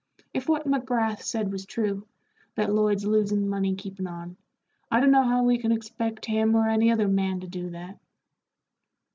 If what McGrath said was true, that Lloyd's losing money keeping on, I dunno how we can expect him or any other man to do that."